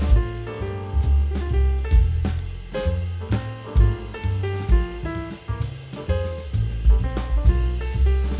lihat terus nggak untuk